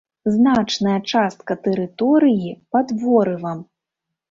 Значная частка тэрыторыі пад ворывам.